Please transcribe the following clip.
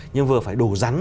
nhưng vừa phải đủ rắn